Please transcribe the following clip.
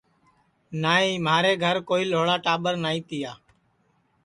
نائی مھارے گھر کوئی لھوڑا ٹاٻر نائی تیا